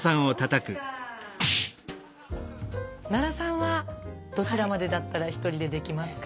奈良さんはどちらまでだったらひとりでできますか？